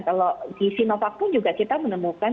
kalau di sinovac pun juga kita menemukan